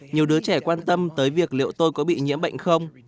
nhiều đứa trẻ quan tâm tới việc liệu tôi có bị nhiễm bệnh không